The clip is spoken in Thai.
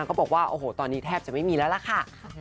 โหโถ่ตอนนี้แทบจะไม่มีแล้วล่ะค่ะ